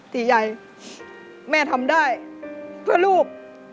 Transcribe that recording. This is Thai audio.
สิยัยแม่ทำได้เพราะลูก